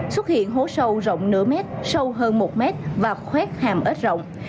xuất hiện hố sâu rộng nửa mét sâu hơn một mét và khoét hàm ết rộng